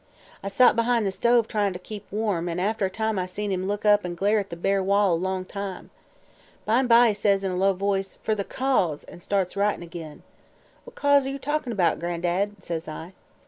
I sot behind the stove, tryin' to keep warm, an' after a time I seen him look up an' glare at the bare wall a long time. By 'n' by he says in a low voice: 'Fer the Cause!' an' starts writin' ag'in. 'What cause are ye talkin' about, Gran'dad?' says I.